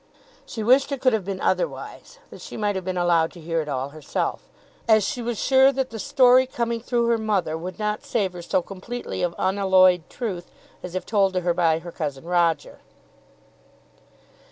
She wished it could have been otherwise that she might have been allowed to hear it all herself as she was sure that the story coming through her mother would not savour so completely of unalloyed truth as if told to her by her cousin Roger.